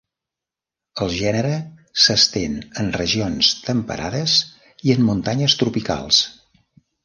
El gènere s'estén en regions temperades i en muntanyes tropicals.